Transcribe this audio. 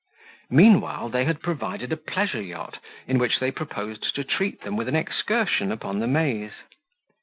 Meanwhile they had provided a pleasure yacht, in which they proposed to treat them with an excursion upon the Maese.